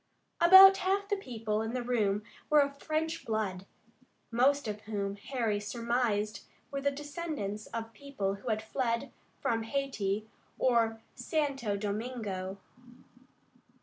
About half the people in the room were of French blood, most of whom Harry surmised were descendants of people who had fled from Hayti or Santo Domingo.